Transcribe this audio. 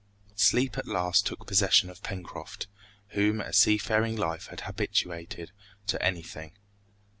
Sleep at last took possession of Pencroft, whom a seafaring life had habituated to anything.